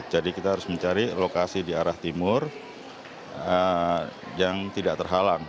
jadi kita harus mencari lokasi di arah timur yang tidak terhalang